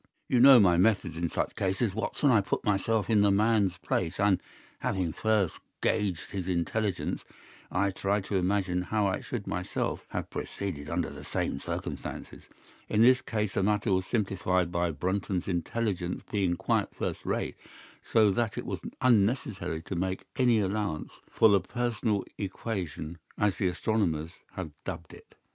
"You know my methods in such cases, Watson. I put myself in the man's place and, having first gauged his intelligence, I try to imagine how I should myself have proceeded under the same circumstances. In this case the matter was simplified by Brunton's intelligence being quite first rate, so that it was unnecessary to make any allowance for the personal equation, as the astronomers have dubbed it.